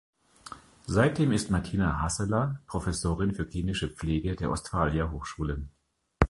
Seitdem ist Martina Hasseler Professorin für Klinische Pflege der Ostfalia Hochschule.